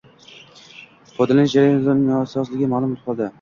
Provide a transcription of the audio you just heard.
Foydalanish jarayonida uning nosozligi ma’lum bo‘lib qoldi.